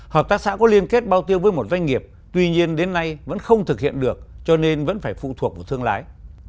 hợp tác xã có liên kết bao tiêu với một doanh nghiệp tuy nhiên đến nay vẫn không thực hiện được cho nên vẫn phải phụ thuộc vào thương lái